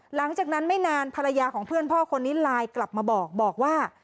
หลังจากนั้นไม่นานภรรยาของเพื่อนพ่อคนนี้ไลน์กลับมาบอกบอกว่า